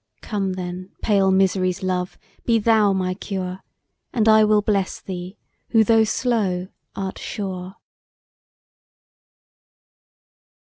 Come then, 'pale Misery's love!' be thou my cure, And I will bless thee, who though slow art sure.